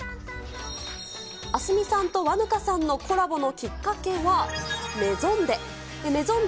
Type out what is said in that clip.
アスミさんと和ぬかさんのコラボのきっかけはメゾン・デ。